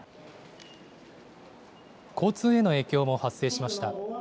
交通への影響も発生しました。